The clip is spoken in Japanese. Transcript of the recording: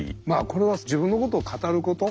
これは自分のことを語ること。